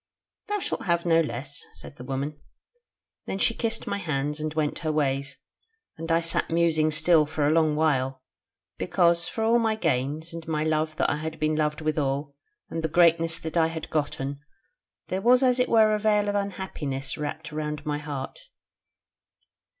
'Thou shalt have no less,' said the woman. Then she kissed my hands and went her ways, and I sat musing still for a long while: because for all my gains, and my love that I had been loved withal, and the greatness that I had gotten, there was as it were a veil of unhappiness wrapped round about my heart.